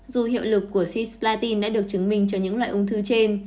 dù hiệu lực của cisplatin đã được chứng minh cho những loại ung thư trên